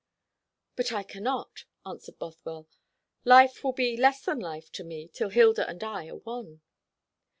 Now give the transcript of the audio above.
"But I cannot," answered Bothwell. "Life will be less than life to me till Hilda and I are one."